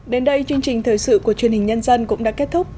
đến đây chương trình thời sự của chương trình nhân dân cũng đã kết thúc